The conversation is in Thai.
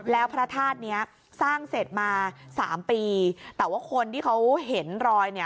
แล้วพระธาตุเนี้ยสร้างเสร็จมาสามปีแต่ว่าคนที่เขาเห็นรอยเนี่ย